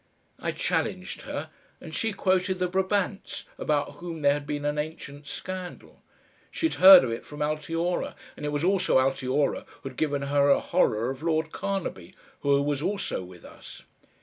I challenged her, and she quoted the Brabants, about whom there had been an ancient scandal. She'd heard of it from Altiora, and it was also Altiora who'd given her a horror of Lord Carnaby, who was also with us.